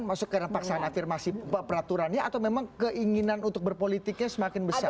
maksudnya karena paksaan afirmasi peraturannya atau memang keinginan untuk berpolitiknya semakin besar